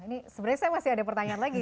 ini sebenarnya saya masih ada pertanyaan lagi